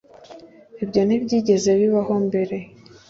ibyo ntibyigeze bibaho mbere